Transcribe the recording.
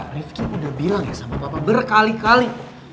rifki udah bilang ya sama papa berkali kali